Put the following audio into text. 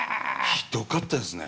ひどかったですね。